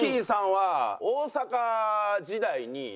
さんは大阪時代に。